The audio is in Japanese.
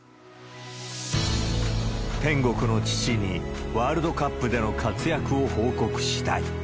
天国の父に、ワールドカップでの活躍を報告したい。